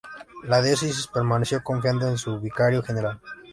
La diócesis permaneció confiando en su Vicario General.